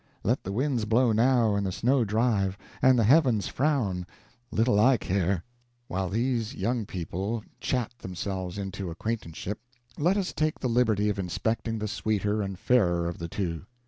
Let the winds blow now, and the snow drive, and the heavens frown! Little I care!" While these young people chat themselves into an acquaintanceship, let us take the liberty of inspecting the sweeter and fairer of the two.